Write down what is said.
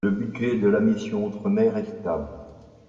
Le budget de la mission Outre-mer est stable.